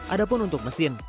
ada pun untuk mesin